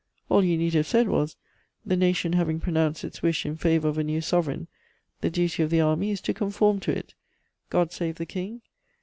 All you need have said was, "The Nation having pronounced its wish in favour of a new sovereign, the duty of the Army is to conform to it. God save the King!